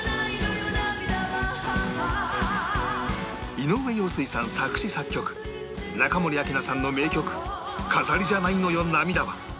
井上陽水さん作詞作曲中森明菜さんの名曲『飾りじゃないのよ涙は』